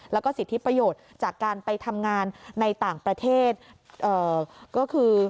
แล้วก็สิทธิประโยชน์จากการไปทำงานในต่างประเทศก็คือ